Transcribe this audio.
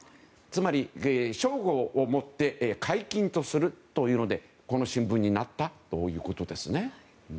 つまり、正午をもって解禁とするというのでこの新聞になったということですね。